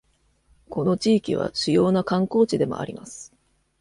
この地域は主要な観光地でもあります。